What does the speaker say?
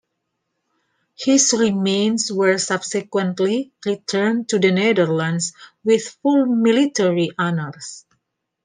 His remains were subsequently returned to the Netherlands with full military honours.